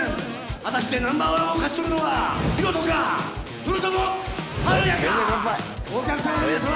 果たしてナンバーワンを勝ち取るのはヒロトかそれともハルヤか乾杯お客様の皆様